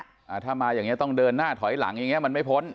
อ่าถ้ามาอย่างเงี้ต้องเดินหน้าถอยหลังอย่างเงี้มันไม่พ้น